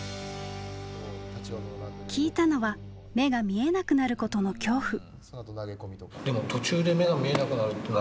聞いたのは目が見えなくなることの恐怖。